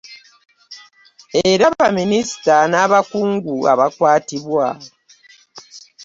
Era baminisita n'abakungu abakwatibwa